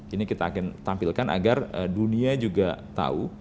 ini kita akan tampilkan agar dunia juga tahu